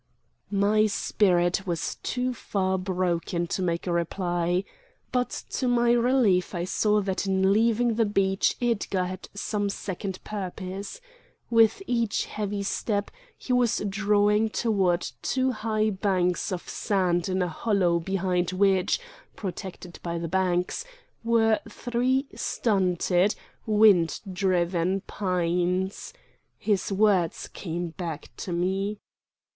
My spirit was too far broken to make reply. But to my relief I saw that in leaving the beach Edgar had some second purpose. With each heavy step he was drawing toward two high banks of sand in a hollow behind which, protected by the banks, were three stunted, wind driven pines. His words came back to me.